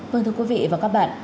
vâng thưa quý vị và các bạn